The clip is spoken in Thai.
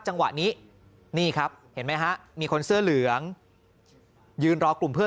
จังหวะนี้นี่ครับเห็นไหมฮะมีคนเสื้อเหลืองยืนรอกลุ่มเพื่อน